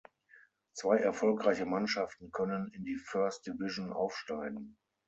Zwei erfolgreiche Mannschaften können in die First Division aufsteigen.